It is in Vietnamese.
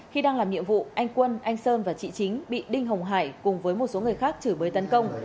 khi đang làm nhiệm vụ anh quân anh sơn và chị chính bị đinh hồng hải cùng với một số người khác chửi bới tấn công